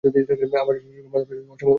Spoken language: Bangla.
আপনার সুচিন্তিত মতামতের জন্য অসংখ্য ধন্যবাদ।